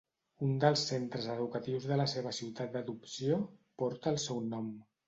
Un dels centres educatius de la seva ciutat d'adopció porta el seu nom.